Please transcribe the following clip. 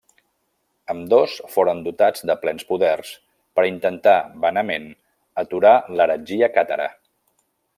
Ambdós foren dotats de plens poders per intentar, vanament, aturar l'heretgia càtara.